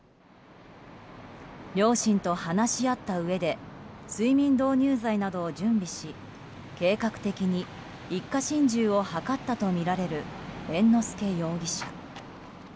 両親と話し合ったうえで睡眠導入剤などを準備し計画的に一家心中を図ったとみられる猿之助容疑者。